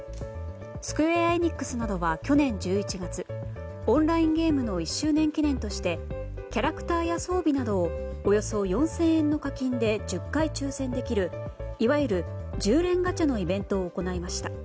スクウェア・エニックスなどは去年１１月オンラインゲームの１周年記念としてキャラクターや装備などをおよそ４０００円の課金で１０回抽選できるいわゆる１０連ガチャのイベントを行いました。